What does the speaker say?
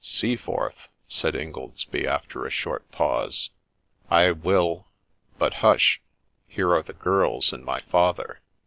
' Seaforth !' said Ingoldsby, after a short pause, * I will But hush ! here are the girls and my father.